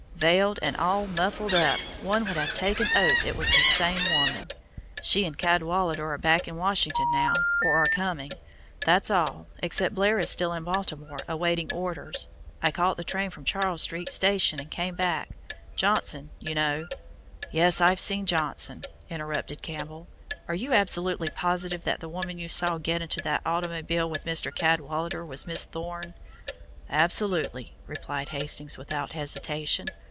Veiled and all muffled up one would have taken oath it was the same woman. She and Cadwallader are back in Washington now, or are coming. That's all, except Blair is still in Baltimore, awaiting orders. I caught the train from the Charles Street station and came back. Johnson, you know " "Yes, I've seen Johnson," interrupted Campbell. "Are you absolutely positive that the woman you saw get into the automobile with Mr. Cadwallader was Miss Thorne?" "Absolutely," replied Hastings without hesitation.